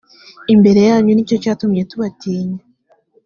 imbere yanyu ni cyo cyatumye tubatinya